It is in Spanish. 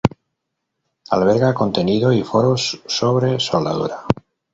Alberga contenido y foros sobre soldadura.